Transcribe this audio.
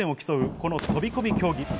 この飛び込み競技。